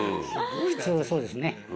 普通はそうですね。